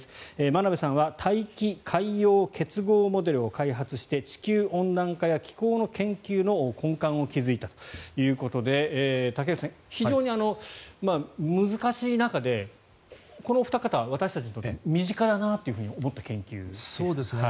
真鍋さんは大気海洋結合モデルを開発して地球温暖化や気候の研究の根幹を築いたということで竹内さん、非常に難しい中でこのお二方は私たちの身近だなと思った研究ですね。